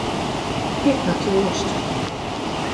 Ik ha toarst.